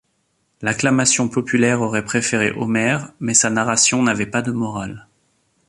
L'acclamation populaire aurait préférée Homère mais sa narration n'avait pas de morale.